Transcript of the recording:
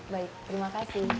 baik terima kasih